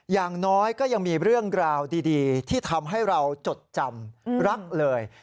อย่างน้อยก็ยังมีเรื่องราวดีที่ทำให้เราจดจำรักเลย